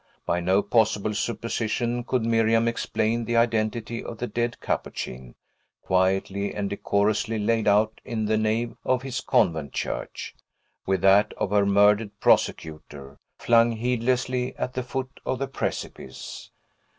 By no possible supposition could Miriam explain the identity of the dead Capuchin, quietly and decorously laid out in the nave of his convent church, with that of her murdered persecutor, flung heedlessly at the foot of the precipice.